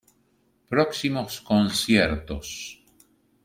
Próximos conciertos